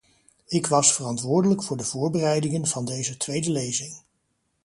Ik was verantwoordelijk voor de voorbereidingen van deze tweede lezing.